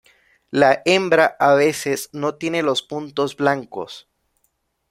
La hembra a veces no tiene los puntos blancos.